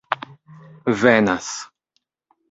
venas